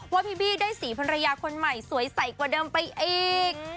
ว่าพี่บี้ได้สีภรรยาคนใหม่สวยใสกว่าเดิมไปอีก